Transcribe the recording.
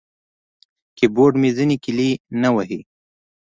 کیبورډ مې ځینې کیلي نه وهي.